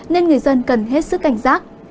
nên người dân cần hết sức cảnh giác